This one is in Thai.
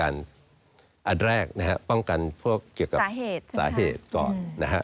แรกที่ป้องกันผลสาเหตุนะ